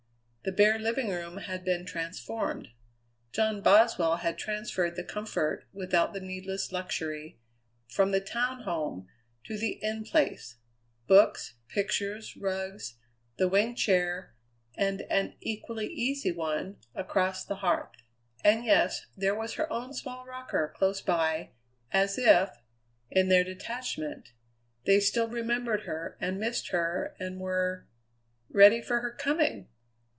The bare living room had been transformed. John Boswell had transferred the comfort, without the needless luxury, from the town home to the In Place books, pictures, rugs, the winged chair and an equally easy one across the hearth. And, yes, there was her own small rocker close by, as if, in their detachment, they still remembered her and missed her and were ready for her coming!